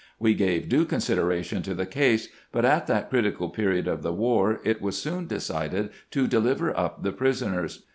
We gave due consideration to the case, but at that critical period of the war it was soon decided to deliver up the prisoners.